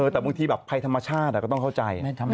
แต่บางทีแบบภัยธรรมชาติก็ต้องเข้าใจ